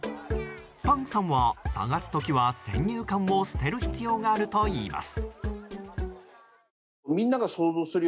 パンクさんは探す時は先入観も捨てる必要があると言います。